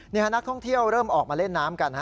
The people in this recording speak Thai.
นักท่องเที่ยวเริ่มออกมาเล่นน้ำกัน